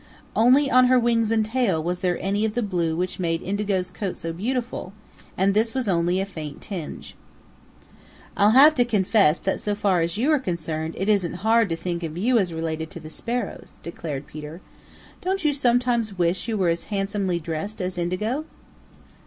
Only on her wings and tail was there any of the blue which made Indigo's coat so beautiful, and this was only a faint tinge. "I'll have to confess that so far as you are concerned it isn't hard to think of you as related to the Sparrows," declared Peter. "Don't you sometimes wish you were as handsomely dressed as Indigo?"